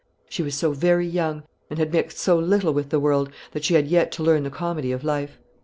She was so very young, and had mixed so little with the world, that she had yet to learn the comedy of life.